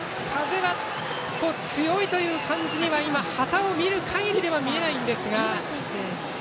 風は強いという感じには旗を見る限りでは見えないんですが。